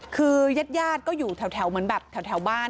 คือยาดก็อยู่แถวเหมือนแบบแถวบ้าน